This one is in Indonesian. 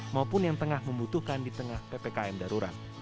maupun yang tengah membutuhkan di tengah ppkm darurat